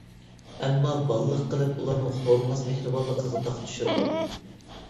ئەمما بالىلىق قىلىپ ئۇلارنىڭ خورىماس مېھرىبانلىقىغا داغ چۈشۈردۇق.